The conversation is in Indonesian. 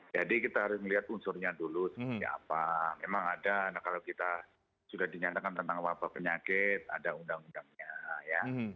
jadi kita harus melihat unsurnya dulu memang ada kalau kita sudah dinyatakan tentang wabah penyakit ada undang undangnya ya